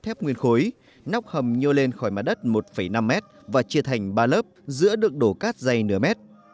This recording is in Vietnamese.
trong nguyên khối nóc hầm nhô lên khỏi mặt đất một năm m và chia thành ba lớp giữa được đổ cát dày nửa mét